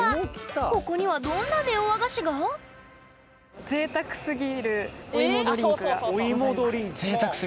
ここにはどんなネオ和菓子が？がございます。